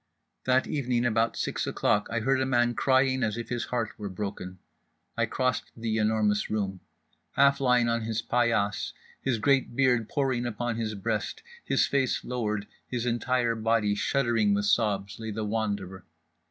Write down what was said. That evening, about six o'clock, I heard a man crying as if his heart were broken. I crossed The Enormous Room. Half lying on his paillasse, his great beard pouring upon his breast, his face lowered, his entire body shuddering with sobs, lay The Wanderer.